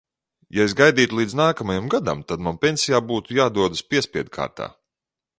Ja es gaidītu līdz nākamajam gadam, tad man pensijā būtu jādodas piespiedu kārtā.